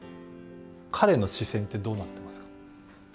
彼の視線ってどうなってますか？